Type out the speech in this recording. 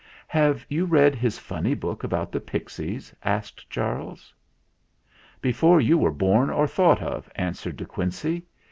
DE QUINCEY 99 "Have you read his funny book about the pixies?" asked Charles. "Before you were born or thought of," an swered De Quincey.